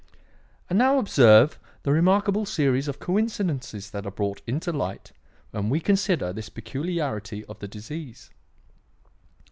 "And now observe the remarkable series of coincidences that are brought into light when we consider this peculiarity of the disease.